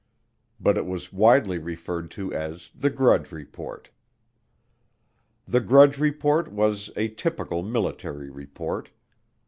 But it was widely referred to as the Grudge Report. The Grudge Report was a typical military report.